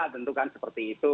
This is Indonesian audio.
tentu kan seperti itu